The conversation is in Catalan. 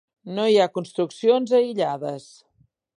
No hi ha construccions aïllades.